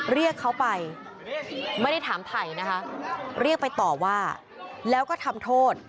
เรียกเขาไปไม่ได้ถามไผ่นะคะเรียกไปต่อว่าแล้วก็ทำโทษ